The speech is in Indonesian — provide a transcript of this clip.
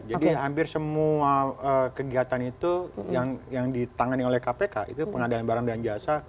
jadi hampir semua kegiatan itu yang ditangani oleh kpk itu pengadaan barang dan jasa